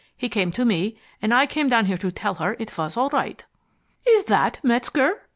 He came to me, and I came down here to tell her it was all right." "Is that Metzger?"